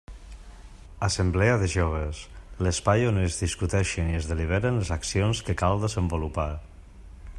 Assemblea de joves: l'espai on es discuteixen i es deliberen les accions que cal desenvolupar.